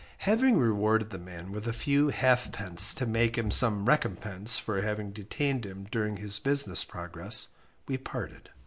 Having rewarded the man with a few half pence to make him some recompense for having detained him during his business progress, we parted.